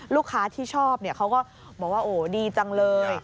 ลูกค้าที่ชอบเขาก็บอกว่าโอ้ดีจังเลย